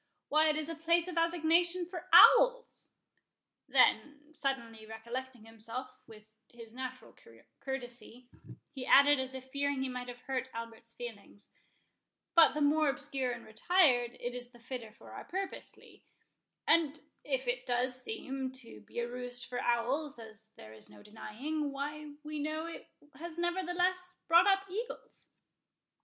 —Why, it is a place of assignation for owls." Then, suddenly recollecting himself, with his natural courtesy, he added, as if fearing he might have hurt Albert's feelings—"But the more obscure and retired, it is the fitter for our purpose, Lee; and if it does seem to be a roost for owls, as there is no denying, why we know it has nevertheless brought up eagles."